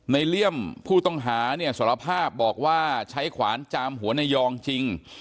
เลี่ยมผู้ต้องหาเนี่ยสารภาพบอกว่าใช้ขวานจามหัวในยองจริง